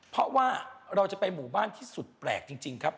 เพราะว่าเราจะไปหมู่บ้านที่สุดแปลกจริงครับ